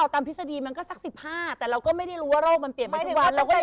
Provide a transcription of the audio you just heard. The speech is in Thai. ถ้าตามพฤศดีศมันก็สัก๑๕แต่เราก็ไม่ได้รู้ว่าร่วมเปลี่ยนไปทุกนาที